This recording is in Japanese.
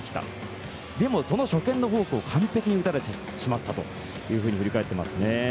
でもその初見のフォークを完璧に打たれてしまったと振り返っていますね。